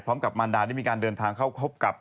พร้อมกับมันดานที่มีการเดินทางเข้าพบกับ